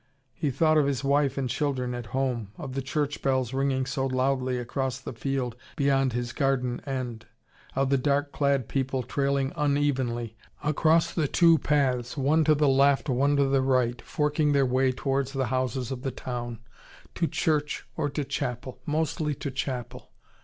He thought of his wife and children at home: of the church bells ringing so loudly across the field beyond his garden end: of the dark clad people trailing unevenly across the two paths, one to the left, one to the right, forking their way towards the houses of the town, to church or to chapel: mostly to chapel.